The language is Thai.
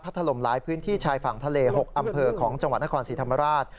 ถล่มหลายพื้นที่ชายฝั่งทะเล๖อำเภอของจังหวัดนครศรีธรรมราช